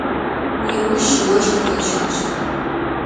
Неущ ощх къещхыщт.